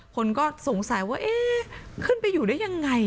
คนก็สงสัยว่าเอ๊ะขึ้นไปอยู่ได้ยังไง